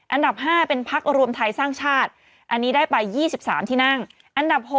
อันดับ๕เป็นพักรวมไทยสร้างชาติอันนี้ได้ไป๒๓ที่นั่งอันดับ๖